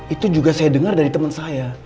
itu juga saya dengar dari teman saya